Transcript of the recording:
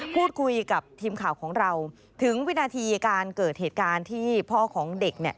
พูดคุยกับทีมข่าวของเราถึงวินาทีการเกิดเหตุการณ์ที่พ่อของเด็กเนี่ย